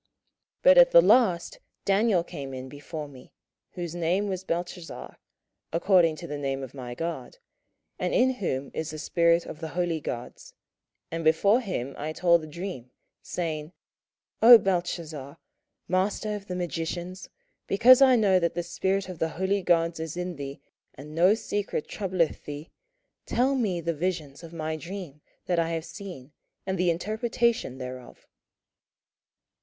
27:004:008 But at the last Daniel came in before me, whose name was Belteshazzar, according to the name of my God, and in whom is the spirit of the holy gods: and before him I told the dream, saying, 27:004:009 O Belteshazzar, master of the magicians, because I know that the spirit of the holy gods is in thee, and no secret troubleth thee, tell me the visions of my dream that I have seen, and the interpretation thereof.